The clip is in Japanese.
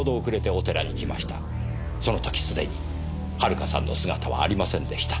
その時既に遥さんの姿はありませんでした。